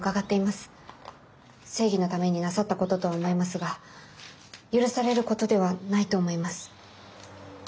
正義のためになさったこととは思いますが許されることではないと思います。